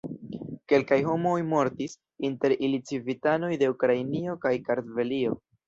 Kelkaj homoj mortis, inter ili civitanoj de Ukrainio kaj Kartvelio.